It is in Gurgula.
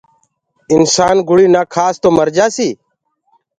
انسآن گُݪي نآ کآس تو مرجآسي